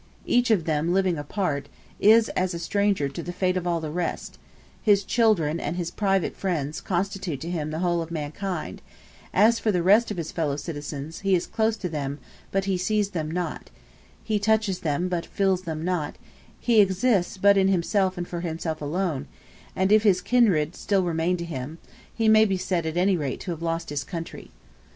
Each of them, living apart, is as a stranger to the fate of all the rest his children and his private friends constitute to him the whole of mankind; as for the rest of his fellow citizens, he is close to them, but he sees them not he touches them, but he feels them not; he exists but in himself and for himself alone; and if his kindred still remain to him, he may be said at any rate to have lost his country.